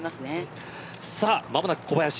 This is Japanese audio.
間もなく小林。